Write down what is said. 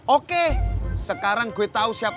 oke sekarang gue tau siapa lo